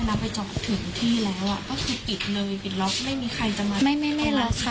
เวลาไปจอดถึงที่แล้วก็คือปิดเลยไม่มีใครจะมา